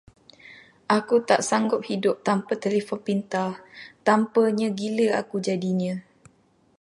Aku tak sanggup hidup tanpa telefon pintar, tanpanya gila aku jadinya.